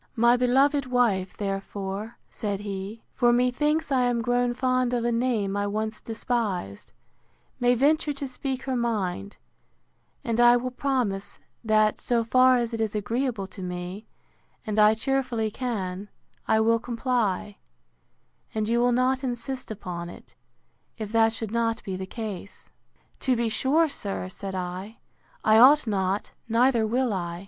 My beloved wife, therefore, said he, for methinks I am grown fond of a name I once despised, may venture to speak her mind; and I will promise, that, so far as it is agreeable to me, and I cheerfully can, I will comply; and you will not insist upon it, if that should not be the case. To be sure, sir, said I, I ought not, neither will I.